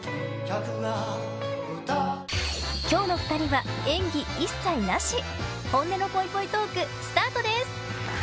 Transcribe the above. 今日の２人は演技一切なし本音のぽいぽいトークスタートです。